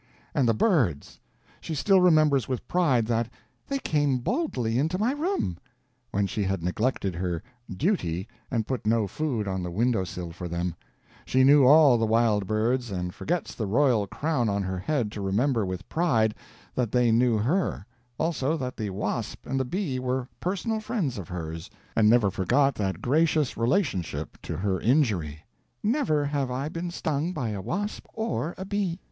And the birds! she still remembers with pride that "they came boldly into my room," when she had neglected her "duty" and put no food on the window sill for them; she knew all the wild birds, and forgets the royal crown on her head to remember with pride that they knew her; also that the wasp and the bee were personal friends of hers, and never forgot that gracious relationship to her injury: "never have I been stung by a wasp or a bee."